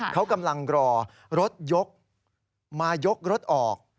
เขากำลังรอรถยกมายกรถออก